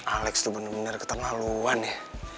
alex tuh bener bener keterlaluan ya